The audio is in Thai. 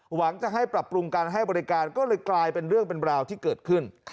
หวังจะให้ปรับปรุงการให้บริการก็เลยกลายเป็นเรื่องเป็นราวที่เกิดขึ้น